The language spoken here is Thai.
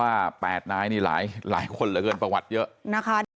ว่าแปดน้ายนี่หลายคนเยอะนะคะ